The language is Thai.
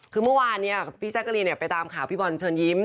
คือเมื่อวานเนี่ยพี่แจ๊กกะรีนไปตามข่าวพี่บอลเชิญยิ้ม